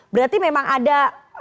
berarti memang ada